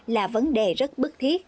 là vấn đề rất bất thiết